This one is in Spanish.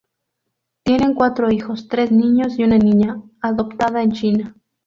Tienen cuatro hijos: tres niños y una niña, adoptada en China.